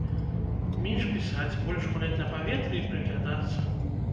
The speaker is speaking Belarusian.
Менш пісаць, больш гуляць на паветры і прыглядацца!